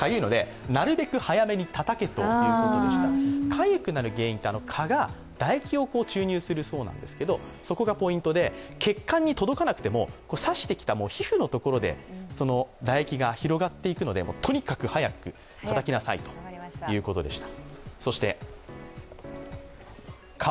かゆくなる原因って、蚊が唾液を注入するそうですけどそこがポイントで血管に届かなくても刺してきた皮膚のところで唾液が広がっていくので、とにかく早くたたきなさいということでした。